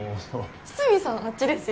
筒見さんはあっちですよ。